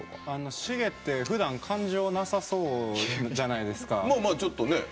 シゲってふだん感情なさそうじゃないですか。